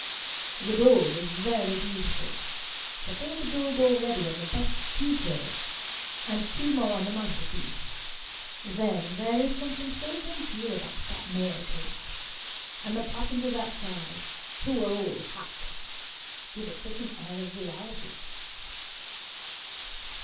The dog is very beautiful, but they have a dog already on the best tea tray, and two more on the mantelpiece. Then, there is something so genteel about that mail coach ; and the passengers outside (who are all hat) give it such an air of reality